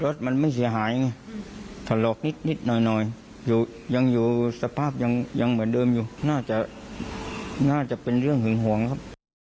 รถมันไม่เสียหายไงถลอกนิดหน่อยยังอยู่สภาพยังเหมือนเดิมอยู่น่าจะน่าจะเป็นเรื่องหึงห่วงครับ